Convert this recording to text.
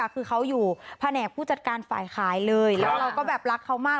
คือเขาอยู่แผนกผู้จัดการฝ่ายขายเลยแล้วเราก็แบบรักเขามาก